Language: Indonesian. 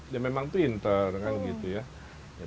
ya memang pinter kan gitu ya